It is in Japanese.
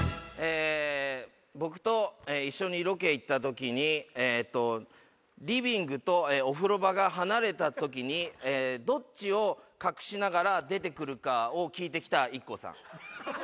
僕と一緒にロケ行ったときにリビングとお風呂場が離れたときにどっちを隠しながら出てくるかを聞いてきたＩＫＫＯさん。